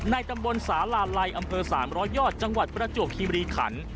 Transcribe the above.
ตำบลสาลาลัยอำเภอ๓๐๐ยอดจังหวัดประจวบคิมรีขัน